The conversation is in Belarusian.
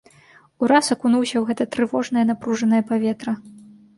Ураз акунуўся ў гэта трывожнае напружанае паветра.